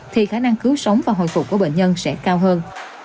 thì khả năng cứu sống và hồi phục của bệnh nhân sẽ cao hơn